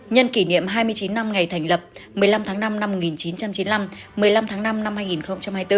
nhân kỷ niệm hai mươi chín năm ngày thành lập một mươi năm tháng năm năm một nghìn chín trăm chín mươi năm một mươi năm tháng năm năm hai nghìn hai mươi bốn